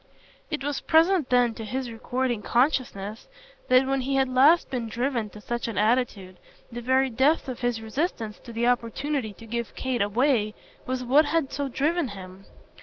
It was present then to his recording consciousness that when he had last been driven to such an attitude the very depth of his resistance to the opportunity to give Kate away was what had so driven him.